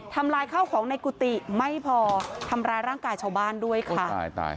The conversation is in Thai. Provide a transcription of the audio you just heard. ลายข้าวของในกุฏิไม่พอทำร้ายร่างกายชาวบ้านด้วยค่ะ